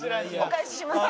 お返しします。